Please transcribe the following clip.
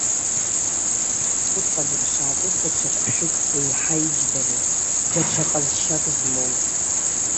Усҟан иԥшаатәуп даҽа хәшәык еиҳа иџьбароу, даҽа ҟазшьак змоу.